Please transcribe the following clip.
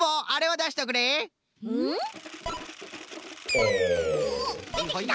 おっでてきた。